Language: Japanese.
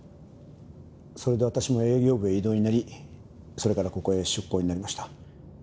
それで私も営業部へ異動になりそれからここへ出向になりました。